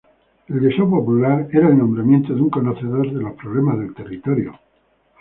El deseo popular era el nombramiento de un conocedor de los problemas del Territorio.